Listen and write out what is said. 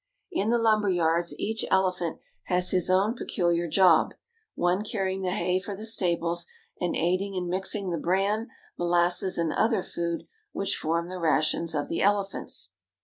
In the lumberyards each elephant has his own peculiar job, one carrying the hay for the stables and aiding in mixing the bran, molasses, and other food which form the rations of the elephants.